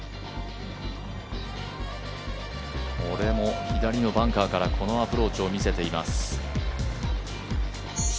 これも左のバンカーからこのアプローチを見せています。